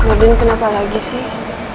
nordin kenapa lagi sih